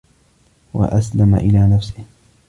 وَأَسْلَمَ إلَى نَفْسِهِ